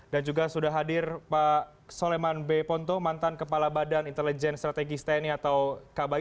dan juga sudah hadir pak soleman b ponto mantan kepala badan intelijen strategi steni atau kbai